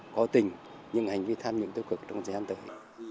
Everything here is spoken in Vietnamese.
có tình nhưng hành vi tham nhũng tiêu cực trong thế gian tới